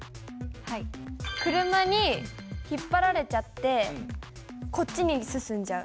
車に引っ張られちゃってこっちに進んじゃう。